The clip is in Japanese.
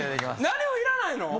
何もいらないの？